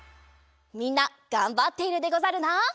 みんながんばっているでござるな。